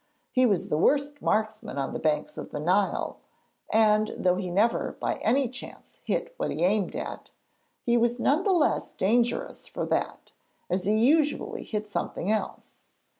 He was the worst marksman on the banks of the Nile, and though he never by any chance hit what he aimed at, he was none the less dangerous for that, as he usually hit something else.